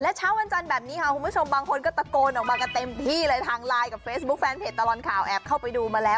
เช้าวันจันทร์แบบนี้ค่ะคุณผู้ชมบางคนก็ตะโกนออกมากันเต็มที่เลยทางไลน์กับเฟซบุ๊คแฟนเพจตลอดข่าวแอบเข้าไปดูมาแล้ว